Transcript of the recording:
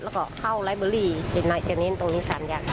แล้วก็เข้าไลฟ์เบอรี่จะเน้นตรงนี้๓อย่าง